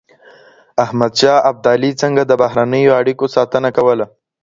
احمد شاه ابدالي څنګه د بهرنیو اړیکو ساتنه کوله؟